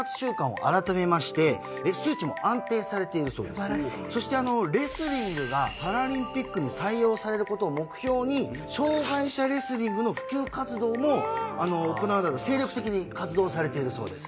すばらしいそしてレスリングがパラリンピックに採用されることを目標に障がい者レスリングの普及活動も行うなど精力的に活動されているそうです